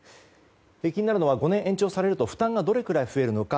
気になるのは、５年延長されると負担がどれくらい増えるのか。